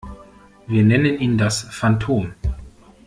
Wir nennen ihn das Phantom.